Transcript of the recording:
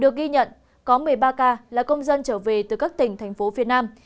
các ca là công dân trở về từ các tỉnh thành phố phía nam